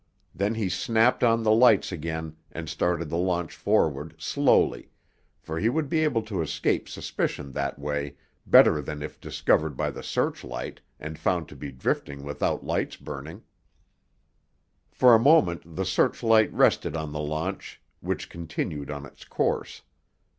Then he snapped on the lights again and started the launch forward slowly, for he would be able to escape suspicion that way better than if discovered by the searchlight and found to be drifting without lights burning. For a moment the searchlight rested on the launch, which continued on its course.